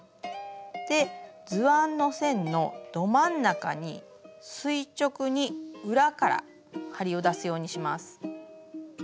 図案の線のど真ん中に垂直に裏から針を出すようにします。